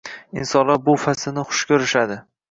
Insonlar bu faslni hush kurishadi.